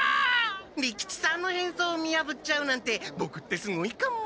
利吉さんのへんそうを見やぶっちゃうなんてボクってすごいかも。